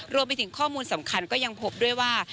รวมไปถึงข้อมูลสำคัญก็ยังพบด้วยว่า